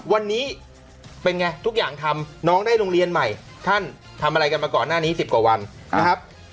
วันนี้เป็นไงทุกอย่างทำน้องได้โรงเรียนใหม่ท่านทำอะไรกันมาก่อนหน้านี้๑๐กว่าวันนะครับ